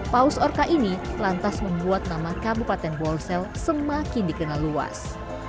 paus orka ini lantas membuat nama kabupaten bolsel semakin dikenal luas